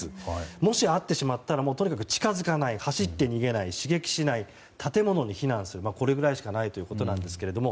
もし会ってしまったら、とにかく近づかない、走って逃げない刺激しない、建物に避難するこれぐらいしかないということなんですけれども。